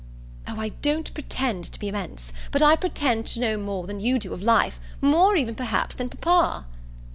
"Oh I don't pretend to be immense, but I pretend to know more than you do of life; more even perhaps than papa."